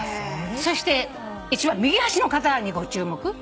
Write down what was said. そして一番右端の方にご注目。